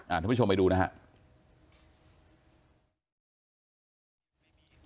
อ่าทุกผู้ชมไปดูนะฮะ